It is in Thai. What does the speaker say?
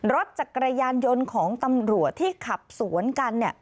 รถจักรยานยนต์ของตำรวจที่ขับสวนกัน